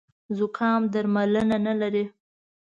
زوکام درملنه نه لري